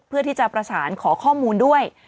เพื่อที่จะประสานขอข้อมูลด้วย